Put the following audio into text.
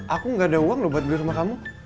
aku gak ada uang loh buat beli sama kamu